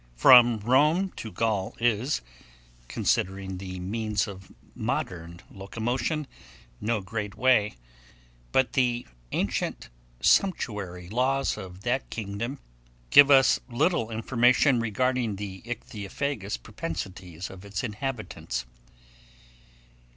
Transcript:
FROM ROME TO GAUL is, considering the means of modern locomotion, no great way; but the ancient sumptuary laws of that kingdom give us little information regarding the ichthyophagous propensities of its inhabitants.